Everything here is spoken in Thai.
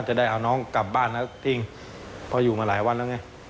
จะได้เอาน้องกลับบ้านแล้วทิ้งเพราะอยู่มาหลายวันแล้วไง